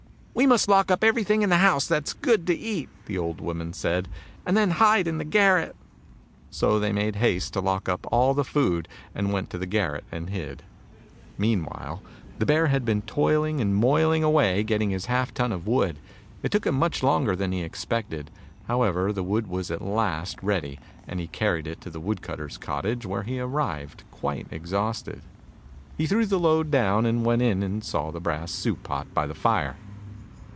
"We must lock up everything in the house that is good to eat," the old woman said, "and then hide in the garret." So they made haste to lock up all the food, and went to the garret and hid. Meanwhile the bear had been toiling and moiling away getting his half ton of wood. It took him much longer than he expected. However, the wood was at last ready, and he carried it to the woodcutter's cottage, where he arrived quite exhausted. He threw the load down and went in and saw the brass soup pot by the fire.